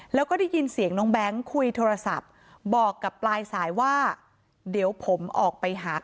แล้วก็ได้ยินเสียงน้องแบงค์คุยโทรศัพท์บอกกับปลายสายว่าเดี๋ยวผมออกไปหา